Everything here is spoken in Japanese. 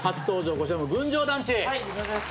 こちらも群青団地。